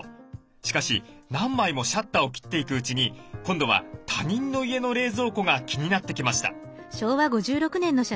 しかし何枚もシャッターを切っていくうちに今度は他人の家の冷蔵庫が気になってきました。